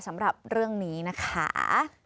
สำหรับเรื่องนี้นะคะ